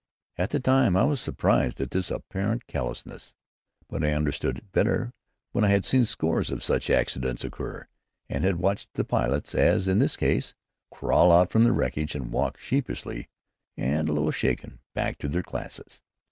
At the time I was surprised at this apparent callousness, but I understood it better when I had seen scores of such accidents occur, and had watched the pilots, as in this case, crawl out from the wreckage, and walk sheepishly, and a little shaken, back to their classes.